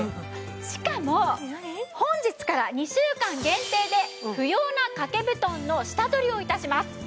しかも本日から２週間限定で不要な掛け布団の下取りを致します。